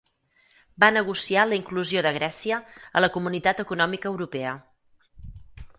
Va negociar la inclusió de Grècia a la Comunitat Econòmica Europea.